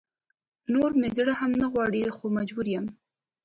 نور مې زړه هم نه غواړي خو مجبوره يم